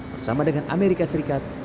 bersama dengan amerika serikat